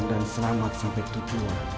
dan selamat sampai tujuan